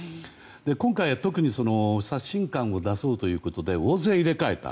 今回、特に刷新感を出そうということで大勢入れ替えた。